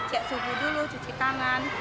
cek suhu dulu cuci tangan